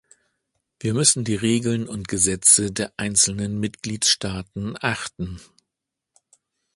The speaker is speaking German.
Wir müssen die Regeln und Gesetze der einzelnen Mitgliedstaaten achten.